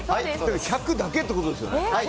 １００だけってことですよね。